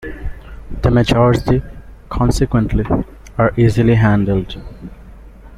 The majority, consequently, are easily handled.